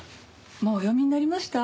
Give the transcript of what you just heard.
もうお読みになりました？